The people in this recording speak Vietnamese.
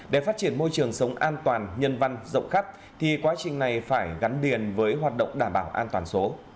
để phát triển môi trường sống an toàn nhân văn rộng khắp thì quá trình này phải gắn liền với hoạt động đảm bảo an toàn số